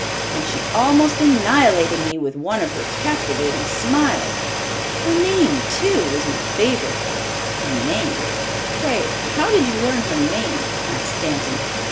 And she almost annihilated me with one of her captivating smiles. Her name, too, is my favorite." "Her name? Pray, how did you learn her name?" asked Stanton.